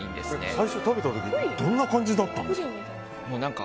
最初食べた時どんな感じだったんですか？